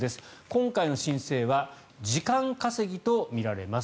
今回の申請は時間稼ぎとみられます